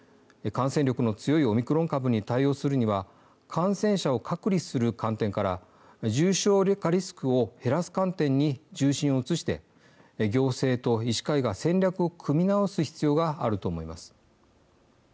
感染力の強いオミクロン株に対応するには感染者を隔離する観点から重症化リスクを減らす観点に重心を移して行政と医師会が戦略を組み直す必要があると思います。